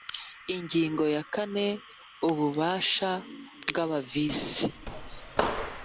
Ingingo ya kane Ubabasha bwa ba Visi